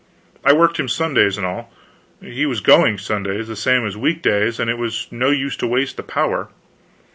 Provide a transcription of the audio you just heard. I worked him Sundays and all; he was going, Sundays, the same as week days, and it was no use to waste the power.